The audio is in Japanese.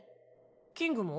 キングも？